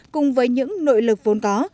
cùng với những nội lực vốn có